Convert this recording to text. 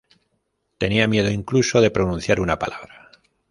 Tenía miedo incluso de pronunciar una palabra.